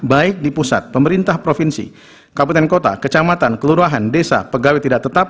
baik di pusat pemerintah provinsi kabupaten kota kecamatan kelurahan desa pegawai tidak tetap